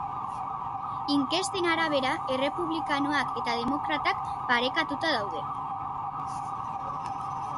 Inkesten arabera, errepublikanoak eta demokratak parekatuta daude.